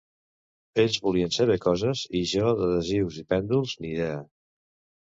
Ells volien saber coses, i jo d’adhesius i pèndols, ni idea.